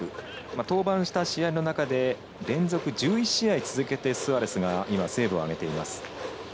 登板した試合の中で連続１１試合続けてスアレスが今セーブを挙げています。